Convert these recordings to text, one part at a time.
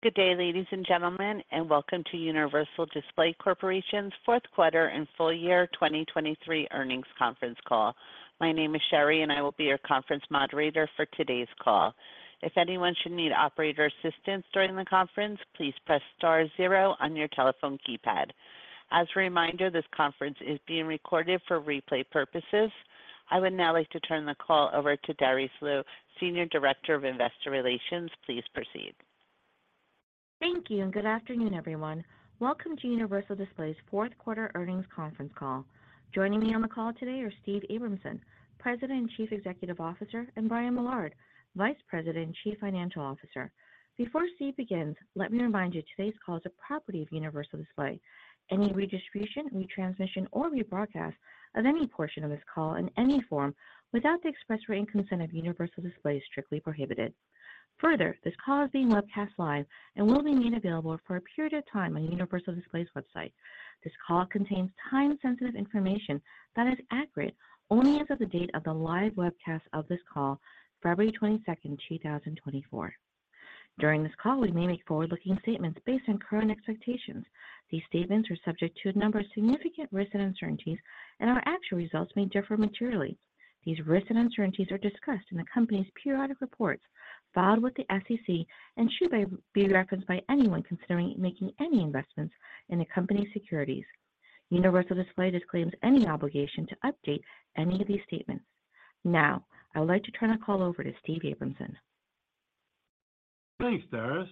Good day, ladies and gentlemen, and welcome to Universal Display Corporation's Fourth Quarter and Full-Year 2023 Earnings Conference Call. My name is Sherri, and I will be your conference moderator for today's call. If anyone should need operator assistance during the conference, please press star 0 on your telephone keypad. As a reminder, this conference is being recorded for replay purposes. I would now like to turn the call over to Darice Liu, Senior Director of Investor Relations. Please proceed. Thank you, and good afternoon, everyone. Welcome to Universal Display's Fourth Quarter Earnings Conference Call. Joining me on the call today are Steve Abramson, President and Chief Executive Officer, and Brian Millard, Vice President and Chief Financial Officer. Before Steve begins, let me remind you today's call is a property of Universal Display. Any redistribution, retransmission, or rebroadcast of any portion of this call in any form without the express written consent of Universal Display is strictly prohibited. Further, this call is being webcast live and will remain available for a period of time on Universal Display's website. This call contains time-sensitive information that is accurate only as of the date of the live webcast of this call, February 22nd, 2024. During this call, we may make forward-looking statements based on current expectations. These statements are subject to a number of significant risks and uncertainties, and our actual results may differ materially. These risks and uncertainties are discussed in the company's periodic reports filed with the SEC and should be referenced by anyone considering making any investments in the company's securities. Universal Display disclaims any obligation to update any of these statements. Now, I would like to turn the call over to Steve Abramson. Thanks, Darice,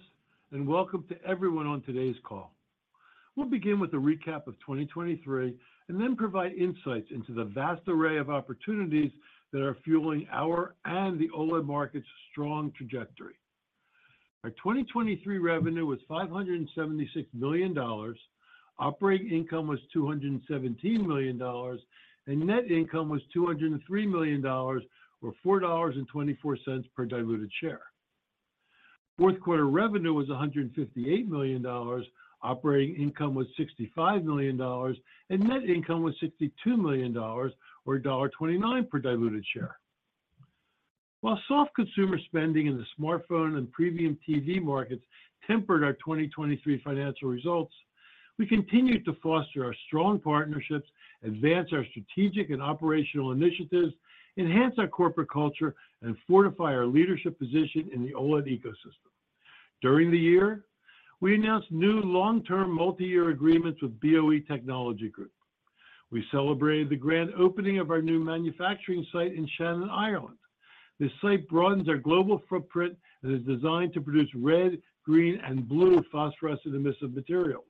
and welcome to everyone on today's call. We'll begin with a recap of 2023 and then provide insights into the vast array of opportunities that are fueling our and the OLED market's strong trajectory. Our 2023 revenue was $576 million, operating income was $217 million, and net income was $203 million, or $4.24 per diluted share. Fourth quarter revenue was $158 million, operating income was $65 million, and net income was $62 million, or $1.29 per diluted share. While soft consumer spending in the smartphone and premium TV markets tempered our 2023 financial results, we continued to foster our strong partnerships, advance our strategic and operational initiatives, enhance our corporate culture, and fortify our leadership position in the OLED ecosystem. During the year, we announced new long-term multi-year agreements with BOE Technology Group. We celebrated the grand opening of our new manufacturing site in Shannon, Ireland. This site broadens our global footprint and is designed to produce red, green, and blue phosphorescent emissive materials.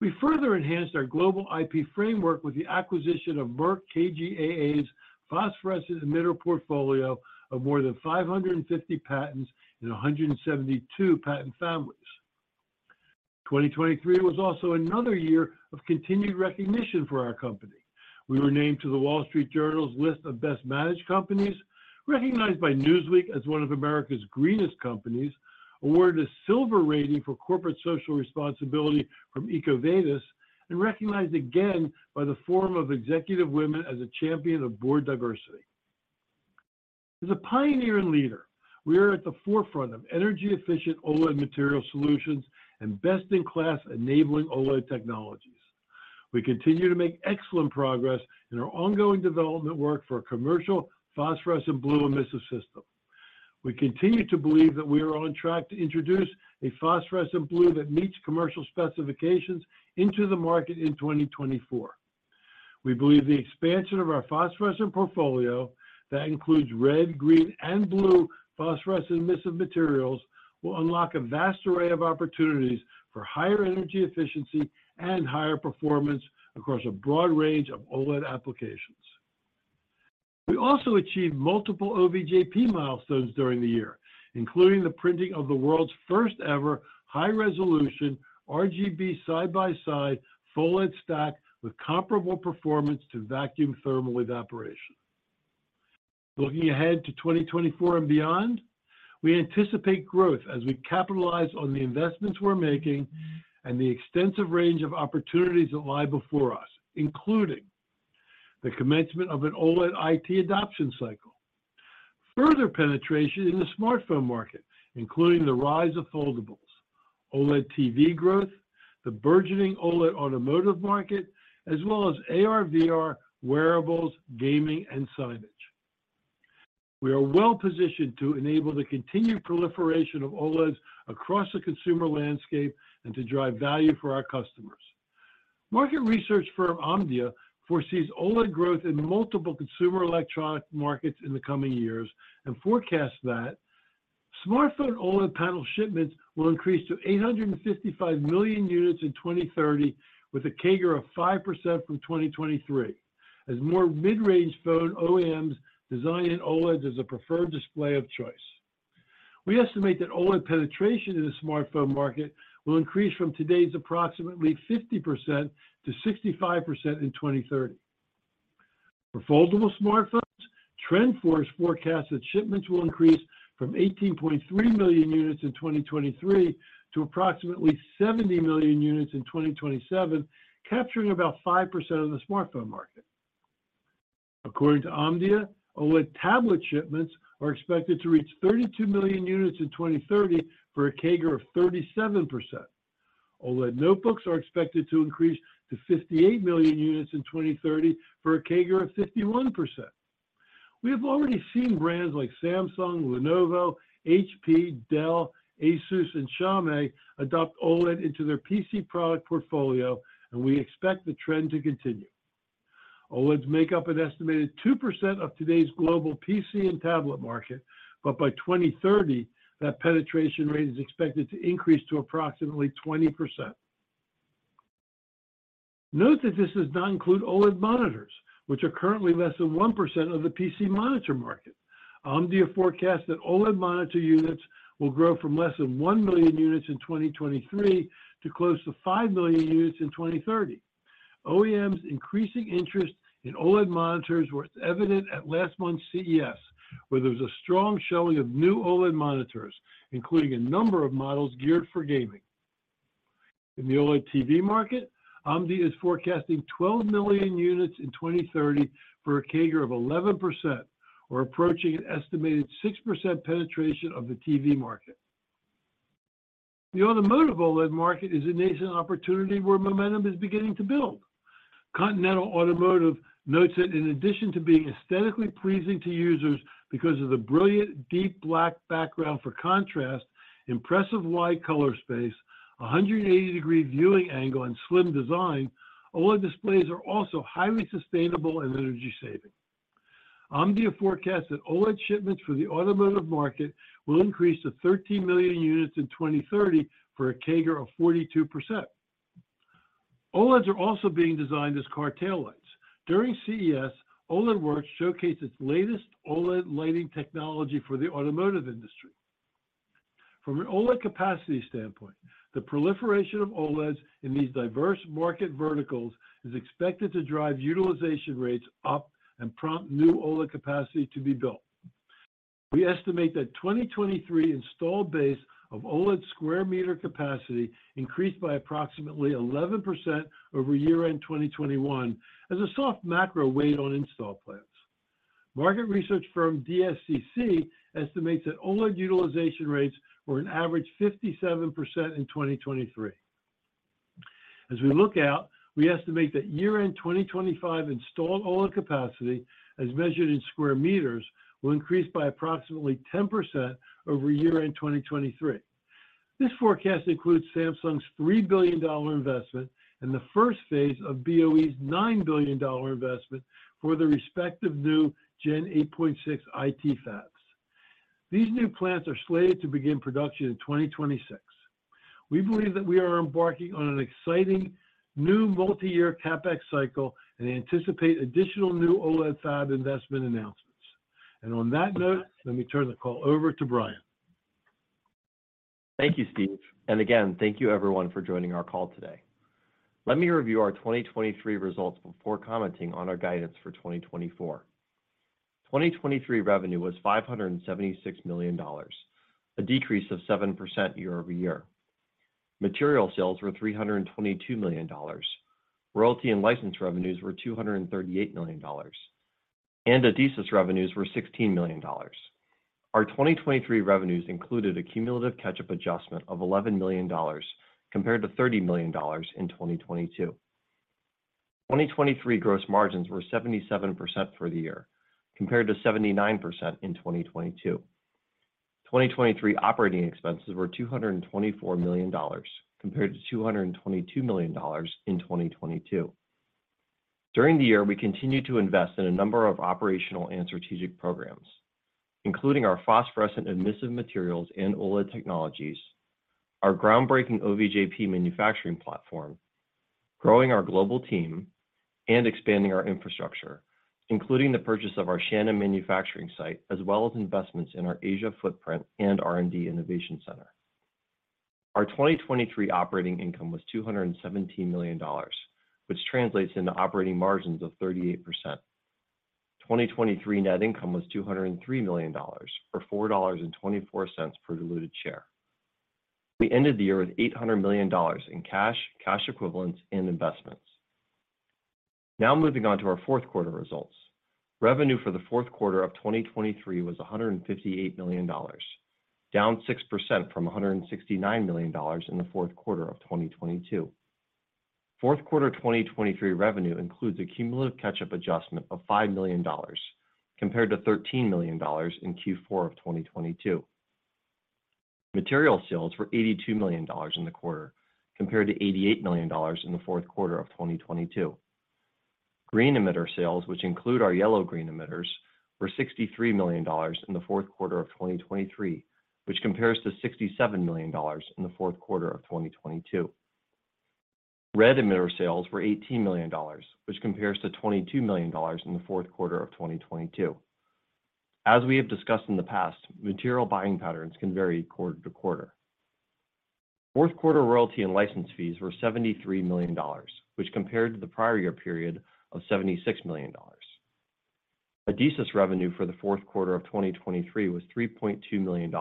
We further enhanced our global IP framework with the acquisition of Merck KGaA's phosphorescent emitter portfolio of more than 550 patents in 172 patent families. 2023 was also another year of continued recognition for our company. We were named to The Wall Street Journal's list of best managed companies, recognized by Newsweek as one of America's greenest companies, awarded a silver rating for corporate social responsibility from EcoVadis, and recognized again by The Forum of Executive Women as a champion of board diversity. As a pioneer and leader, we are at the forefront of energy-efficient OLED material solutions and best-in-class enabling OLED technologies. We continue to make excellent progress in our ongoing development work for a commercial phosphorescent blue emissive system. We continue to believe that we are on track to introduce a phosphorescent blue that meets commercial specifications into the market in 2024. We believe the expansion of our phosphorescent portfolio that includes red, green, and blue phosphorescent emissive materials will unlock a vast array of opportunities for higher energy efficiency and higher performance across a broad range of OLED applications. We also achieved multiple OVJP milestones during the year, including the printing of the world's first-ever high-resolution RGB side-by-side PHOLED stack with comparable performance to vacuum thermal evaporation. Looking ahead to 2024 and beyond, we anticipate growth as we capitalize on the investments we're making and the extensive range of opportunities that lie before us, including the commencement of an OLED IT adoption cycle, further penetration in the smartphone market, including the rise of foldables, OLED TV growth, the burgeoning OLED automotive market, as well as AR/VR wearables, gaming, and signage. We are well positioned to enable the continued proliferation of OLEDs across the consumer landscape and to drive value for our customers. Market research firm Omdia foresees OLED growth in multiple consumer electronic markets in the coming years and forecasts that smartphone OLED panel shipments will increase to 855 million units in 2030, with a CAGR of 5% from 2023, as more mid-range phone OEMs design OLEDs as a preferred display of choice. We estimate that OLED penetration in the smartphone market will increase from today's approximately 50% to 65% in 2030. For foldable smartphones, TrendForce forecasts that shipments will increase from 18.3 million units in 2023 to approximately 70 million units in 2027, capturing about 5% of the smartphone market. According to Omdia, OLED tablet shipments are expected to reach 32 million units in 2030 for a CAGR of 37%. OLED notebooks are expected to increase to 58 million units in 2030 for a CAGR of 51%. We have already seen brands like Samsung, Lenovo, HP, Dell, ASUS, and Xiaomi adopt OLED into their PC product portfolio, and we expect the trend to continue. OLEDs make up an estimated 2% of today's global PC and tablet market, but by 2030, that penetration rate is expected to increase to approximately 20%. Note that this does not include OLED monitors, which are currently less than 1% of the PC monitor market. Omdia forecasts that OLED monitor units will grow from less than 1 million units in 2023 to close to 5 million units in 2030. OEMs' increasing interest in OLED monitors was evident at last month's CES, where there was a strong showing of new OLED monitors, including a number of models geared for gaming. In the OLED TV market, Omdia is forecasting 12 million units in 2030 for a CAGR of 11%, or approaching an estimated 6% penetration of the TV market. The automotive OLED market is a nascent opportunity where momentum is beginning to build. Continental Automotive notes that in addition to being aesthetically pleasing to users because of the brilliant deep black background for contrast, impressive wide color space, 180-degree viewing angle, and slim design, OLED displays are also highly sustainable and energy-saving. Omdia forecasts that OLED shipments for the automotive market will increase to 13 million units in 2030 for a CAGR of 42%. OLEDs are also being designed as car taillights. During CES, OLEDWorks showcased its latest OLED lighting technology for the automotive industry. From an OLED capacity standpoint, the proliferation of OLEDs in these diverse market verticals is expected to drive utilization rates up and prompt new OLED capacity to be built. We estimate that 2023 installed base of OLED square meter capacity increased by approximately 11% over year-end 2021 as a soft macro weight on install plans. Market research firm DSCC estimates that OLED utilization rates were an average 57% in 2023. As we look out, we estimate that year-end 2025 installed OLED capacity, as measured in square meters, will increase by approximately 10% over year-end 2023. This forecast includes Samsung's $3 billion investment and the first phase of BOE's $9 billion investment for the respective new Gen 8.6 IT fabs. These new plants are slated to begin production in 2026. We believe that we are embarking on an exciting new multi-year CapEx cycle and anticipate additional new OLED fab investment announcements. On that note, let me turn the call over to Brian. Thank you, Steve. Again, thank you, everyone, for joining our call today. Let me review our 2023 results before commenting on our guidance for 2024. 2023 revenue was $576 million, a decrease of 7% year-over-year. Material sales were $322 million. Royalty and license revenues were $238 million. Adhesives revenues were $16 million. Our 2023 revenues included a cumulative catch-up adjustment of $11 million compared to $30 million in 2022. 2023 gross margins were 77% for the year, compared to 79% in 2022. 2023 operating expenses were $224 million, compared to $222 million in 2022. During the year, we continued to invest in a number of operational and strategic programs, including our phosphorescent emissive materials and OLED technologies, our groundbreaking OVJP manufacturing platform, growing our global team, and expanding our infrastructure, including the purchase of our Shannon manufacturing site as well as investments in our Asia footprint and R&D innovation center. Our 2023 operating income was $217 million, which translates into operating margins of 38%. 2023 net income was $203 million, or $4.24 per diluted share. We ended the year with $800 million in cash, cash equivalents, and investments. Now moving on to our fourth quarter results. Revenue for the fourth quarter of 2023 was $158 million, down 6% from $169 million in the fourth quarter of 2022. Fourth quarter 2023 revenue includes a cumulative catch-up adjustment of $5 million, compared to $13 million in Q4 of 2022. Material sales were $82 million in the quarter, compared to $88 million in the fourth quarter of 2022. Green emitter sales, which include our yellow-green emitters, were $63 million in the fourth quarter of 2023, which compares to $67 million in the fourth quarter of 2022. Red emitter sales were $18 million, which compares to $22 million in the fourth quarter of 2022. As we have discussed in the past, material buying patterns can vary quarter to quarter. Fourth quarter royalty and license fees were $73 million, which compared to the prior year period of $76 million. Adhesives revenue for the fourth quarter of 2023 was $3.2 million,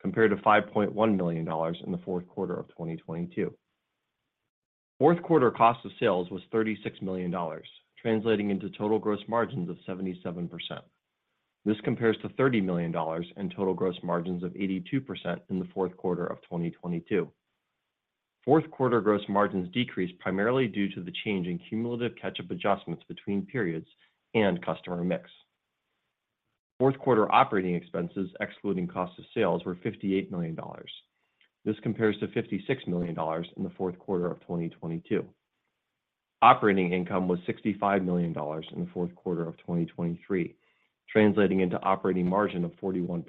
compared to $5.1 million in the fourth quarter of 2022. Fourth quarter cost of sales was $36 million, translating into total gross margins of 77%. This compares to $30 million and total gross margins of 82% in the fourth quarter of 2022. Fourth quarter gross margins decreased primarily due to the change in cumulative catch-up adjustments between periods and customer mix. Fourth quarter operating expenses, excluding cost of sales, were $58 million. This compares to $56 million in the fourth quarter of 2022. Operating income was $65 million in the fourth quarter of 2023, translating into operating margin of 41%.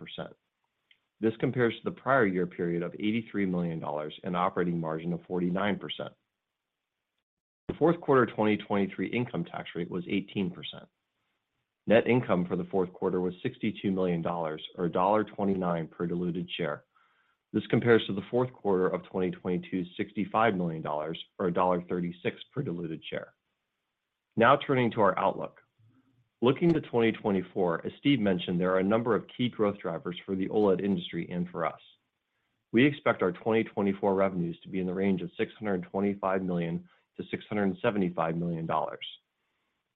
This compares to the prior year period of $83 million and operating margin of 49%. The fourth quarter 2023 income tax rate was 18%. Net income for the fourth quarter was $62 million, or $1.29 per diluted share. This compares to the fourth quarter of 2022's $65 million, or $1.36 per diluted share. Now turning to our outlook. Looking to 2024, as Steve mentioned, there are a number of key growth drivers for the OLED industry and for us. We expect our 2024 revenues to be in the range of $625 million-$675 million.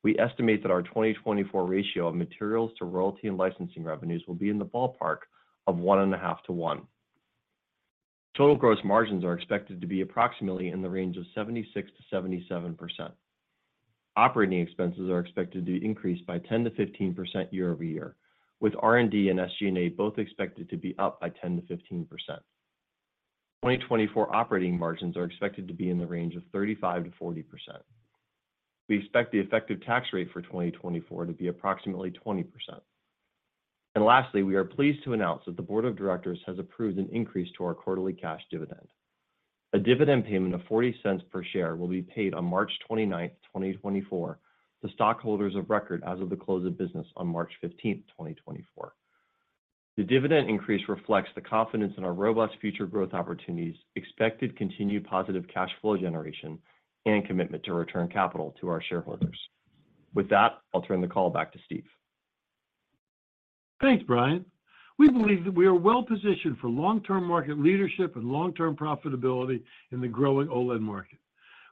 We estimate that our 2024 ratio of materials to royalty and licensing revenues will be in the ballpark of 1.5 to 1. Total gross margins are expected to be approximately in the range of 76%-77%. Operating expenses are expected to increase by 10%-15% year-over-year, with R&D and SG&A both expected to be up by 10%-15%. 2024 operating margins are expected to be in the range of 35%-40%. We expect the effective tax rate for 2024 to be approximately 20%. And lastly, we are pleased to announce that the board of directors has approved an increase to our quarterly cash dividend. A dividend payment of $0.40 per share will be paid on March 29, 2024, to stockholders of record as of the close of business on March 15, 2024. The dividend increase reflects the confidence in our robust future growth opportunities, expected continued positive cash flow generation, and commitment to return capital to our shareholders. With that, I'll turn the call back to Steve. Thanks, Brian. We believe that we are well positioned for long-term market leadership and long-term profitability in the growing OLED market.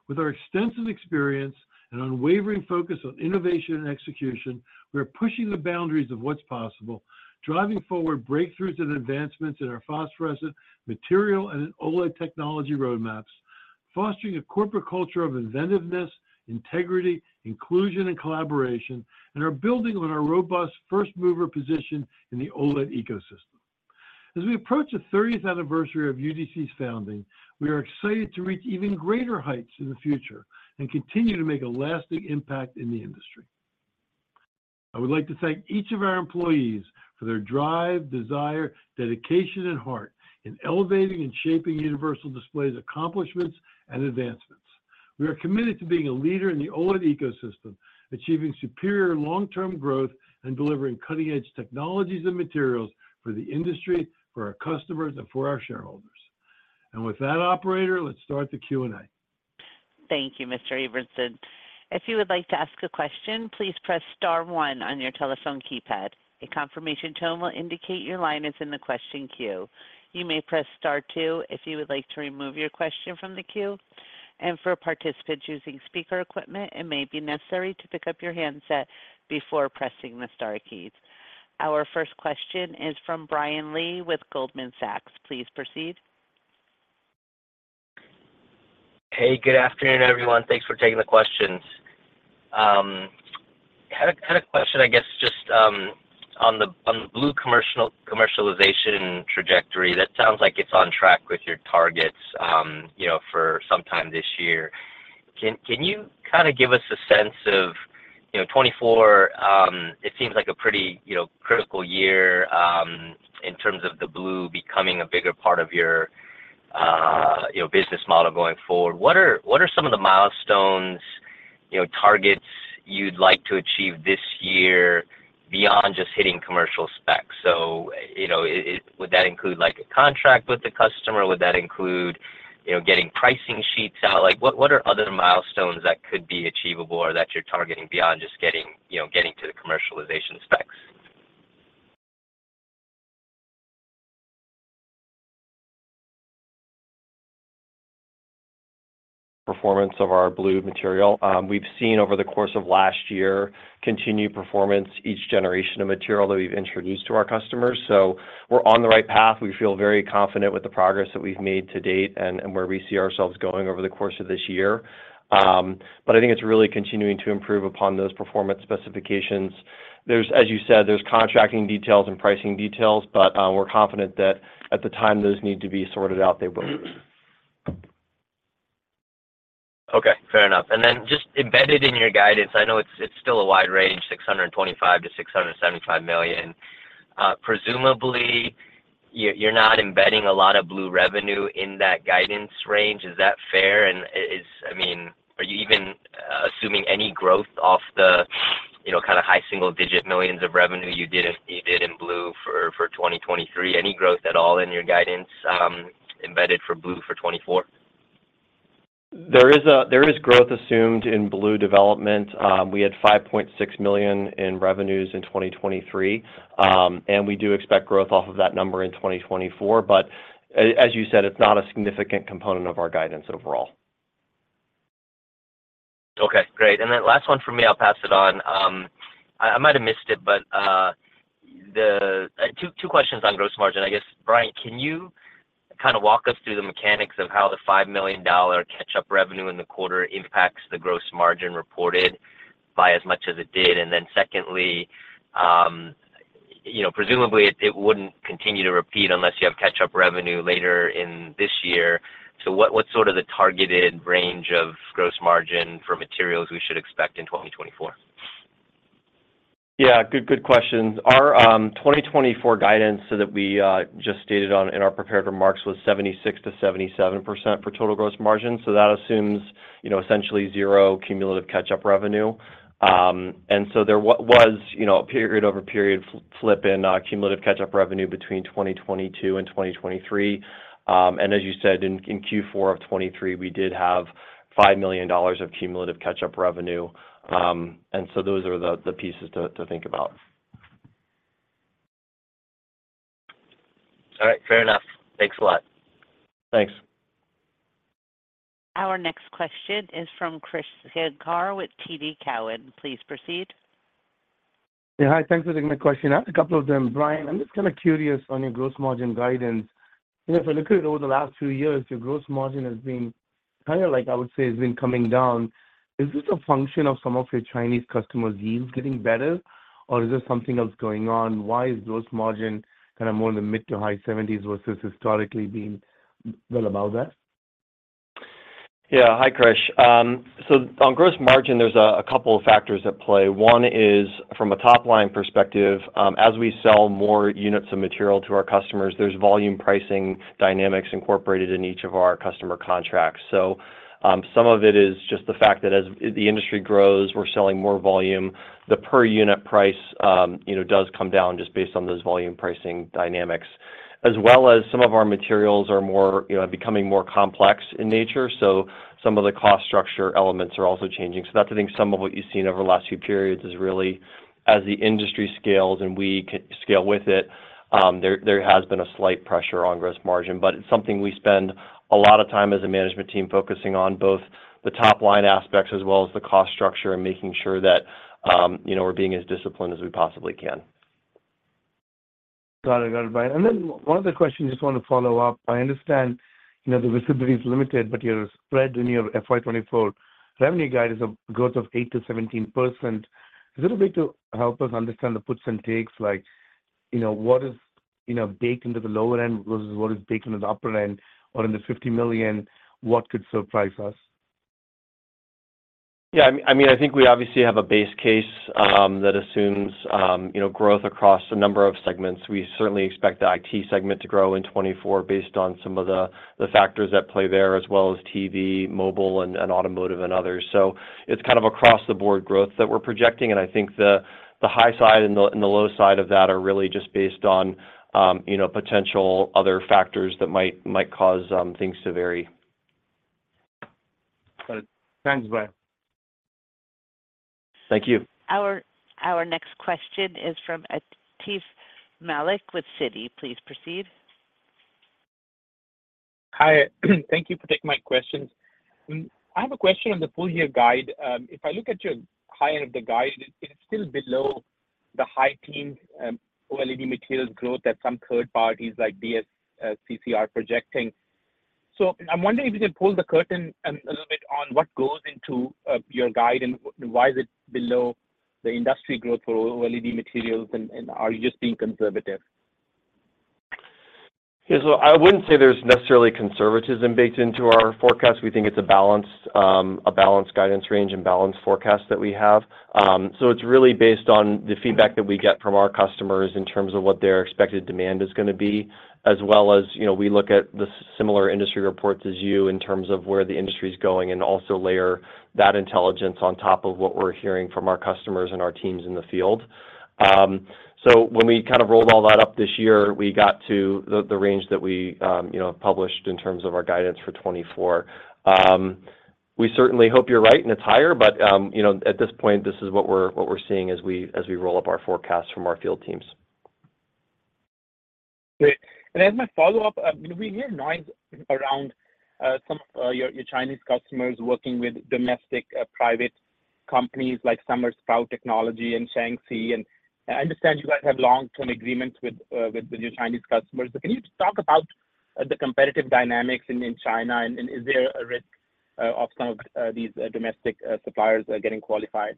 With our extensive experience and unwavering focus on innovation and execution, we are pushing the boundaries of what's possible, driving forward breakthroughs and advancements in our phosphorescent material and OLED technology roadmaps, fostering a corporate culture of inventiveness, integrity, inclusion, and collaboration, and are building on our robust first-mover position in the OLED ecosystem. As we approach the 30th anniversary of UDC's founding, we are excited to reach even greater heights in the future and continue to make a lasting impact in the industry. I would like to thank each of our employees for their drive, desire, dedication, and heart in elevating and shaping Universal Display's accomplishments and advancements. We are committed to being a leader in the OLED ecosystem, achieving superior long-term growth, and delivering cutting-edge technologies and materials for the industry, for our customers, and for our shareholders. With that, operator, let's start the Q&A. Thank you, Mr. Abramson. If you would like to ask a question, please press star 1 on your telephone keypad. A confirmation tone will indicate your line is in the question queue. You may press star 2 if you would like to remove your question from the queue. For participants using speaker equipment, it may be necessary to pick up your handset before pressing the star keys. Our first question is from Brian Lee with Goldman Sachs. Please proceed. Hey, good afternoon, everyone. Thanks for taking the questions. Had a had a question, I guess, just on the blue commercial commercialization trajectory. That sounds like it's on track with your targets, you know, for sometime this year. Can you kind of give us a sense of, you know, 2024? It seems like a pretty, you know, critical year, in terms of the blue becoming a bigger part of your, you know, business model going forward. What are some of the milestones, you know, targets you'd like to achieve this year beyond just hitting commercial specs? So, you know, it would that include, like, a contract with the customer? Would that include, you know, getting pricing sheets out? Like, what are other milestones that could be achievable or that you're targeting beyond just getting, you know, to the commercialization specs? Performance of our blue material. We've seen over the course of last year continued performance each generation of material that we've introduced to our customers. So we're on the right path. We feel very confident with the progress that we've made to date and, and where we see ourselves going over the course of this year. But I think it's really continuing to improve upon those performance specifications. There's as you said, there's contracting details and pricing details, but, we're confident that at the time those need to be sorted out, they will. Okay. Fair enough. And then just embedded in your guidance, I know it's still a wide range, $625 million-$675 million. Presumably, you're not embedding a lot of blue revenue in that guidance range. Is that fair? And is, I mean, are you even assuming any growth off the, you know, kind of high single-digit millions of revenue you did in blue for 2023? Any growth at all in your guidance, embedded for blue for 2024? There is growth assumed in blue development. We had $5.6 million in revenues in 2023. We do expect growth off of that number in 2024. But as you said, it's not a significant component of our guidance overall. Okay. Great. And that last one from me, I'll pass it on. I might have missed it, but I have two questions on gross margin. I guess, Brian, can you kind of walk us through the mechanics of how the $5 million catch-up revenue in the quarter impacts the gross margin reported by as much as it did? And then secondly, you know, presumably, it wouldn't continue to repeat unless you have catch-up revenue later in this year. So what's sort of the targeted range of gross margin for materials we should expect in 2024? Yeah. Good, good questions. Our 2024 guidance that we just stated on in our prepared remarks was 76%-77% for total gross margin. So that assumes, you know, essentially zero cumulative catch-up revenue. And so there was, you know, a period-over-period flip in cumulative catch-up revenue between 2022 and 2023. And as you said, in Q4 of 2023, we did have $5 million of cumulative catch-up revenue. And so those are the pieces to think about. All right. Fair enough. Thanks a lot. Thanks. Our next question is from Krish Sankar with TD Cowen. Please proceed. Yeah. Hi. Thanks for taking my question. I have a couple of them. Brian, I'm just kind of curious on your gross margin guidance. You know, if I look at it over the last few years, your gross margin has been kind of like, I would say, has been coming down. Is this a function of some of your Chinese customers' yields getting better, or is there something else going on? Why is gross margin kind of more in the mid- to high 70s versus historically being well above that? Yeah. Hi, Chris. So on gross margin, there's a couple of factors at play. One is from a top-line perspective, as we sell more units of material to our customers, there's volume pricing dynamics incorporated in each of our customer contracts. So, some of it is just the fact that as the industry grows, we're selling more volume. The per-unit price, you know, does come down just based on those volume pricing dynamics, as well as some of our materials are more, you know, becoming more complex in nature. So some of the cost structure elements are also changing. So that's, I think, some of what you've seen over the last few periods is really as the industry scales and we can scale with it, there has been a slight pressure on gross margin. It's something we spend a lot of time as a management team focusing on, both the top-line aspects as well as the cost structure and making sure that, you know, we're being as disciplined as we possibly can. Got it. Got it, Brian. And then one other question, just want to follow up. I understand, you know, the visibility's limited, but your spread in your FY2024 revenue guide is a growth of 8%-17%. Is it a way to help us understand the puts and takes? Like, you know, what is, you know, baked into the lower end versus what is baked into the upper end? Or in the $50 million, what could surprise us? Yeah. I mean, I think we obviously have a base case that assumes, you know, growth across a number of segments. We certainly expect the IT segment to grow in 2024 based on some of the factors that play there, as well as TV, mobile, and automotive and others. So it's kind of across-the-board growth that we're projecting. And I think the high side and the low side of that are really just based on, you know, potential other factors that might cause things to vary. Got it. Thanks, Brian. Thank you. Our next question is from Atif Malik with Citi. Please proceed. Hi. Thank you for taking my questions. I have a question on the full-year guide. If I look at your high end of the guide, it's still below the high-teens OLED materials growth that some third parties like DSCC projecting. So I'm wondering if you can pull back the curtain a little bit on what goes into your guide and why is it below the industry growth for OLED materials, and are you just being conservative? Yeah. So I wouldn't say there's necessarily conservatism baked into our forecast. We think it's a balanced, a balanced guidance range and balanced forecast that we have. So it's really based on the feedback that we get from our customers in terms of what their expected demand is gonna be, as well as, you know, we look at the similar industry reports as you in terms of where the industry's going and also layer that intelligence on top of what we're hearing from our customers and our teams in the field. So when we kind of rolled all that up this year, we got to the, the range that we, you know, have published in terms of our guidance for 2024. We certainly hope you're right in the interim, but, you know, at this point, this is what we're seeing as we roll up our forecasts from our field teams. Great. As my follow-up, you know, we hear noise around some of your Chinese customers working with domestic private companies like Summer Sprout Technology and Shaanxi Lighte Optoelectronics. I understand you guys have long-term agreements with your Chinese customers. Can you talk about the competitive dynamics in China, and is there a risk of some of these domestic suppliers getting qualified?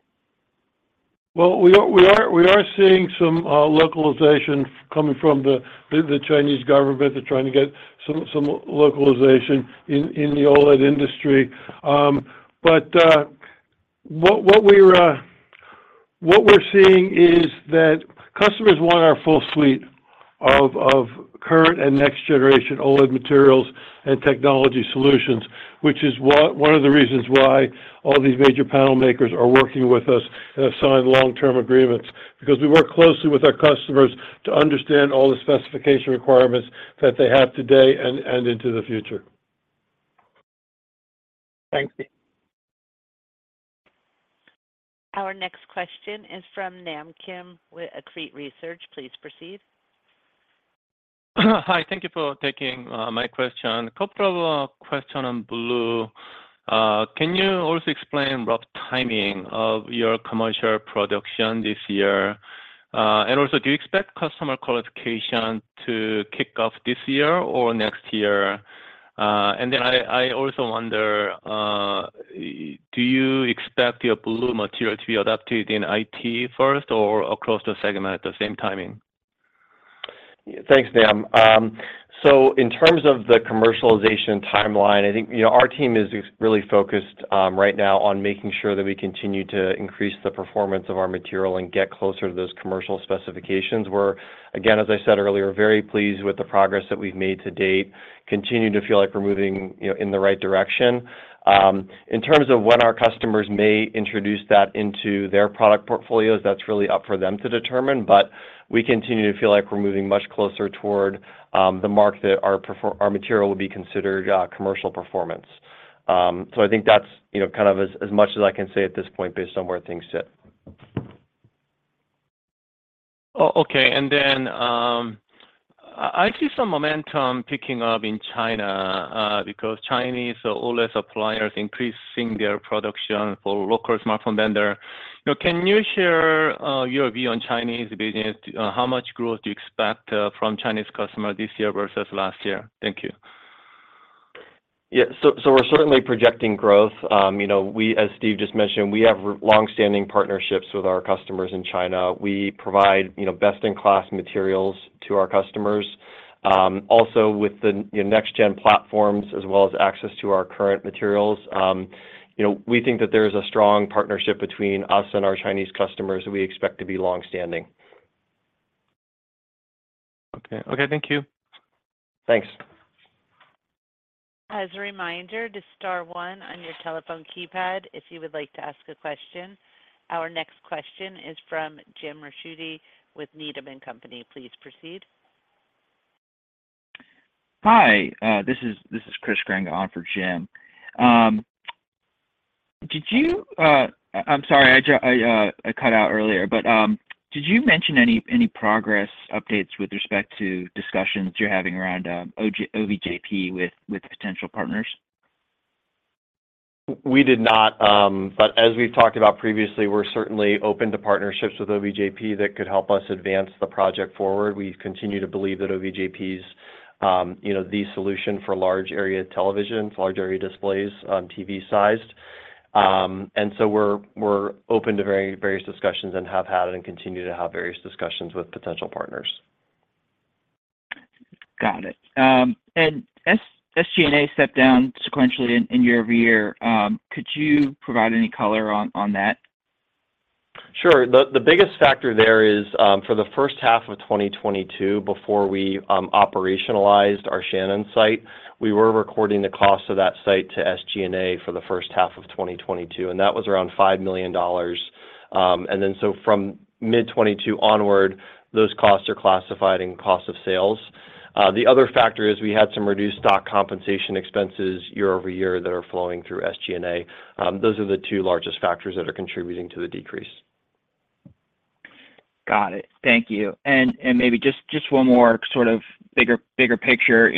Well, we are seeing some localization coming from the Chinese government. They're trying to get some localization in the OLED industry. But what we're seeing is that customers want our full suite of current and next-generation OLED materials and technology solutions, which is one of the reasons why all these major panel makers are working with us and have signed long-term agreements, because we work closely with our customers to understand all the specification requirements that they have today and into the future. Thanks, Steve. Our next question is from Nam Kim with Arete Research. Please proceed. Hi. Thank you for taking my question. A couple of questions on blue. Can you also explain rough timing of your commercial production this year? And also, do you expect customer qualification to kick off this year or next year? And then I also wonder, do you expect your blue material to be adopted in IT first or across the segment at the same timing? Yeah. Thanks, Nam. So in terms of the commercialization timeline, I think, you know, our team is really focused right now on making sure that we continue to increase the performance of our material and get closer to those commercial specifications. We're, again, as I said earlier, very pleased with the progress that we've made to date, continue to feel like we're moving, you know, in the right direction. In terms of when our customers may introduce that into their product portfolios, that's really up for them to determine. But we continue to feel like we're moving much closer toward the mark that our performance, our material will be considered commercial performance. So I think that's, you know, kind of as much as I can say at this point based on where things sit. Okay. And then, I see some momentum picking up in China, because Chinese OLED suppliers are increasing their production for local smartphone vendors. You know, can you share your view on Chinese business? How much growth do you expect from Chinese customers this year versus last year? Thank you. Yeah. So, so we're certainly projecting growth. You know, we, as Steve just mentioned, we have our long-standing partnerships with our customers in China. We provide, you know, best-in-class materials to our customers. Also with the, you know, next-gen platforms as well as access to our current materials, you know, we think that there's a strong partnership between us and our Chinese customers that we expect to be long-standing. Okay. Okay. Thank you. Thanks. As a reminder, just star 1 on your telephone keypad if you would like to ask a question. Our next question is from Jim Ricchiuti with Needham & Company. Please proceed. Hi. This is Chris Grenga for Jim. Did you, I'm sorry. I just, I cut out earlier. But, did you mention any, any progress updates with respect to discussions you're having around OVJP with, with potential partners? We did not. But as we've talked about previously, we're certainly open to partnerships with OVJP that could help us advance the project forward. We continue to believe that OVJP's, you know, the solution for large-area televisions, large-area displays, TV-sized. And so we're open to very various discussions and have had and continue to have various discussions with potential partners. Got it. And SG&A stepped down sequentially and year-over-year. Could you provide any color on that? Sure. The biggest factor there is, for the first half of 2022, before we operationalized our Shannon site, we were recording the cost of that site to SG&A for the first half of 2022. That was around $5 million. Then, from mid-2022 onward, those costs are classified in cost of sales. The other factor is we had some reduced stock compensation expenses year-over-year that are flowing through SG&A. Those are the two largest factors that are contributing to the decrease. Got it. Thank you. And maybe just one more sort of bigger picture,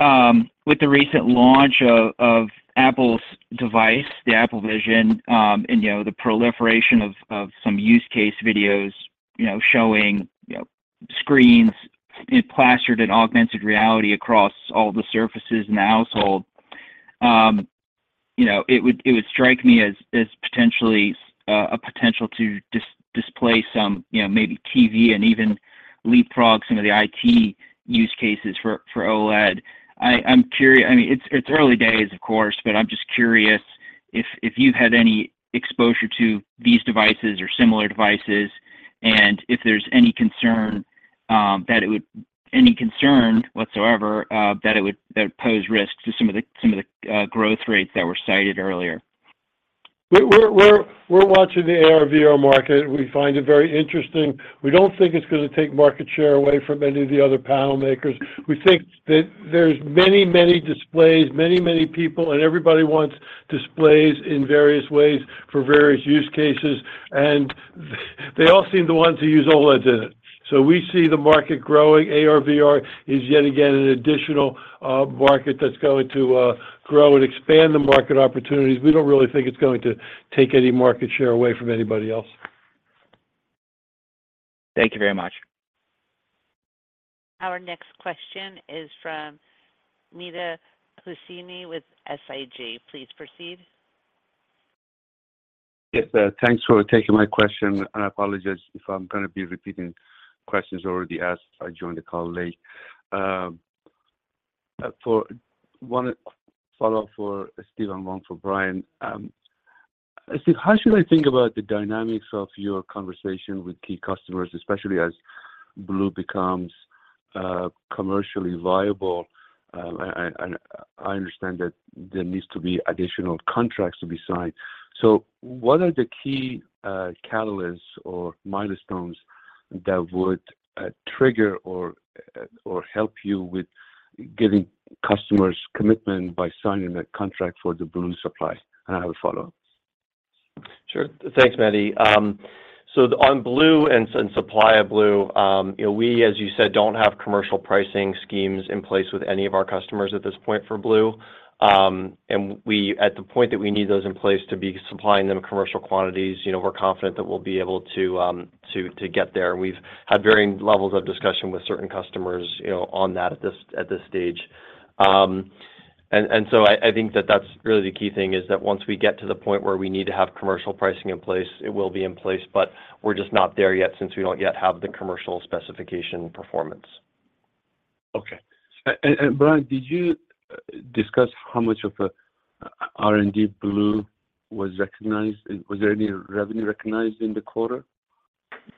you know, with the recent launch of Apple's device, the Apple Vision, and you know, the proliferation of some use-case videos, you know, showing screens plastered in augmented reality across all the surfaces in the household. You know, it would strike me as potentially a potential to displace some, you know, maybe TV and even leapfrog some of the IT use cases for OLED. I'm curious. I mean, it's early days, of course, but I'm just curious if you've had any exposure to these devices or similar devices and if there's any concern whatsoever that it would pose risks to some of the growth rates that were cited earlier. We're watching the AR/VR market. We find it very interesting. We don't think it's gonna take market share away from any of the other panel makers. We think that there's many, many displays, many, many people, and everybody wants displays in various ways for various use cases. And they all seem the ones who use OLEDs in it. So we see the market growing. AR/VR is yet again an additional market that's going to grow and expand the market opportunities. We don't really think it's going to take any market share away from anybody else. Thank you very much. Our next question is from Mehdi Hosseini with SIG. Please proceed. Yes, thanks for taking my question. And I apologize if I'm gonna be repeating questions already asked. I joined the call late. For one follow-up for Steve and one for Brian. Steve, how should I think about the dynamics of your conversation with key customers, especially as blue becomes commercially viable? I understand that there needs to be additional contracts to be signed. So what are the key catalysts or milestones that would trigger or help you with getting customers' commitment by signing that contract for the blue supply? And I have a follow-up. Sure. Thanks, Mahdi. So the one on blue and supply of blue, you know, we, as you said, don't have commercial pricing schemes in place with any of our customers at this point for blue. And we're at the point that we need those in place to be supplying them commercial quantities, you know, we're confident that we'll be able to get there. And we've had varying levels of discussion with certain customers, you know, on that at this stage. So I think that that's really the key thing, is that once we get to the point where we need to have commercial pricing in place, it will be in place. But we're just not there yet since we don't yet have the commercial specification performance. Okay. And Brian, did you discuss how much of R&D blue was recognized? And was there any revenue recognized in the quarter?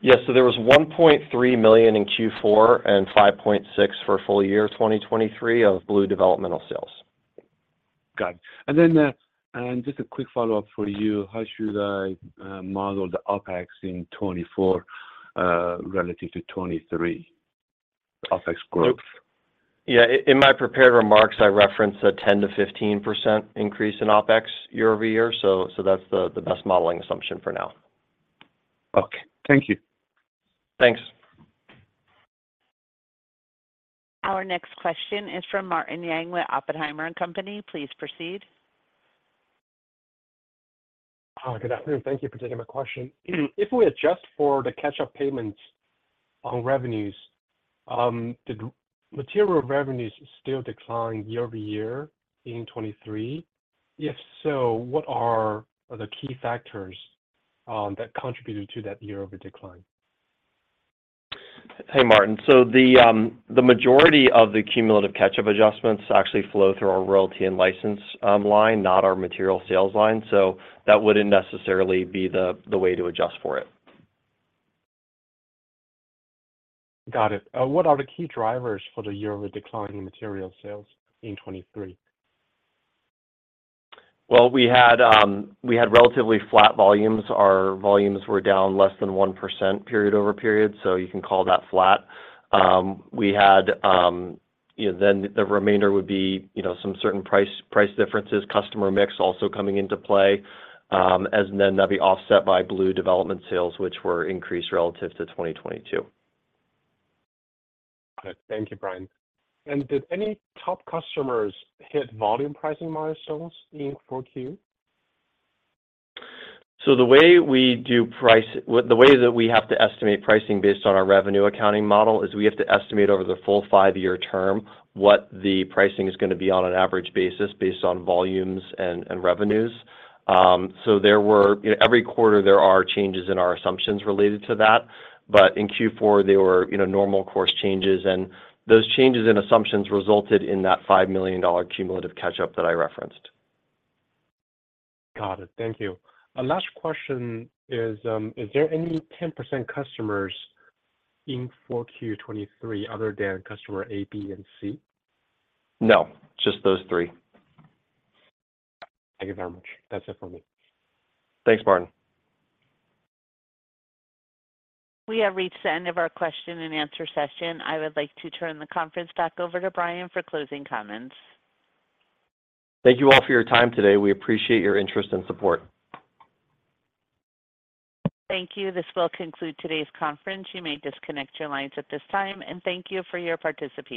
Yes. So there was $1.3 million in Q4 and $5.6 million for full year 2023 of blue developmental sales. Got it. Then, just a quick follow-up for you. How should I model the OpEx in 2024, relative to 2023, the OpEx growth? Oops. Yeah. In my prepared remarks, I referenced 10%-15% increase in OpEx year-over-year. So that's the best modeling assumption for now. Okay. Thank you. Thanks. Our next question is from Martin Yang with Oppenheimer & Company. Please proceed. Good afternoon. Thank you for taking my question. If we adjust for the catch-up payments on revenues, did our material revenues still decline year-over-year in 2023? If so, what are the key factors that contributed to that year-over-year decline? Hey, Martin. So the majority of the cumulative catch-up adjustments actually flow through our royalty and license line, not our material sales line. So that wouldn't necessarily be the way to adjust for it. Got it. What are the key drivers for the year-over-year decline in material sales in 2023? Well, we had relatively flat volumes. Our volumes were down less than 1% period over period, so you can call that flat. We had, you know, then the remainder would be, you know, some certain price-price differences, customer mix also coming into play, as then that'd be offset by blue development sales, which were increased relative to 2022. Got it. Thank you, Brian. And did any top customers hit volume pricing milestones in Q4? So the way that we have to estimate pricing based on our revenue accounting model is we have to estimate over the full five-year term what the pricing is gonna be on an average basis based on volumes and revenues. So there were, you know, every quarter, there are changes in our assumptions related to that. But in Q4, they were, you know, normal course changes. And those changes in assumptions resulted in that $5 million cumulative catch-up that I referenced. Got it. Thank you. Last question is, is there any 10% customers in Q4 2023 other than customer A, B, and C? No. Just those three. Thank you very much. That's it for me. Thanks, Martin. We have reached the end of our question-and-answer session. I would like to turn the conference back over to Brian for closing comments. Thank you all for your time today. We appreciate your interest and support. Thank you. This will conclude today's conference. You may disconnect your lines at this time. Thank you for your participation.